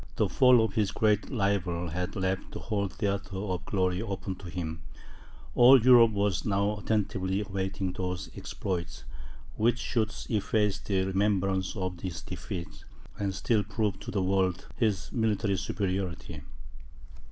The fall of his great rival had left the whole theatre of glory open to him; all Europe was now attentively awaiting those exploits, which should efface the remembrance of his defeat, and still prove to the world his military superiority.